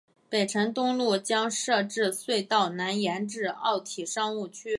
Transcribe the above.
北辰东路将设置隧道南延至奥体商务区。